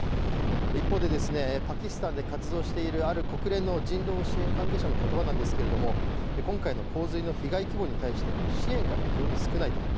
一方で、パキスタンで活動しているある国連の人道支援関係者の言葉なんですけれども、今回の洪水の被害規模に対しての支援が大変少ないと。